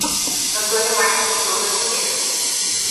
Antônio Marcos de Souza Pinheiro